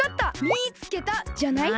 「みいつけた！」じゃない？